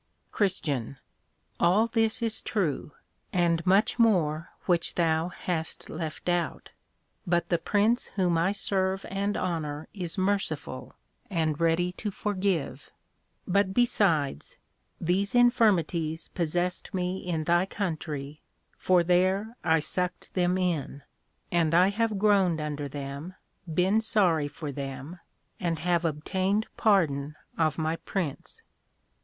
CHR. All this is true, and much more which thou hast left out; but the Prince whom I serve and honor is merciful, and ready to forgive; but besides, these infirmities possessed me in thy Country, for there I sucked them in, and I have groaned under them, been sorry for them, and have obtained Pardon of my Prince.